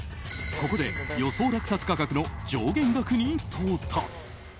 ここで予想落札価格の上限額に到達。